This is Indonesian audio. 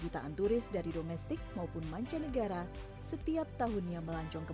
jutaan turis dari domestik maupun mancanegara setiap tahunnya melancong ke